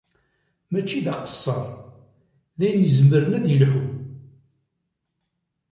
Mačči d aqeṣṣer, d ayen izemren ad yelḥu.